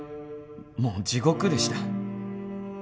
もう地獄でした。